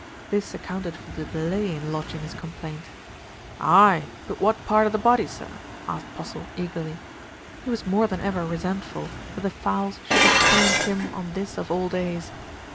This accounted for the de lay in lodging his complaint. "Ay, but what part o' the body, sir?" asked Postle eagerly. He was more than ever resentful that the fowls should have claimed him on this of all days.